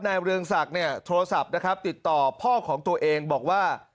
เรืองศักดิ์เนี่ยโทรศัพท์นะครับติดต่อพ่อของตัวเองบอกว่า